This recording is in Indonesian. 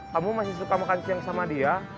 kamu masih suka makan siang sama dia